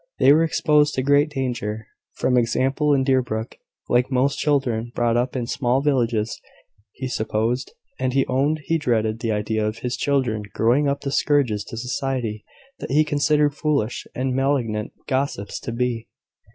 They were exposed to great danger from example in Deerbrook, like most children brought up in small villages, he supposed: and he owned he dreaded the idea of his children growing up the scourges to society that he considered foolish and malignant gossips to be.